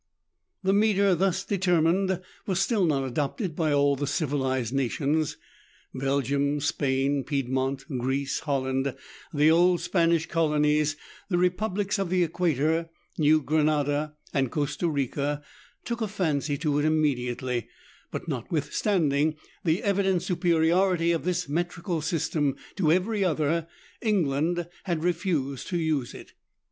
The metre, thus determined, was still not adopted by all the civilized nations. Belgium, Spain, Piedmont, Greece, Holland, the old Spanish colonies, the republics of the Equator, New Granada, and Costa Rica, took a fancy to it immediately ; but notwithstanding the evident supe riority of this metrical system to every other, England had refused to use it.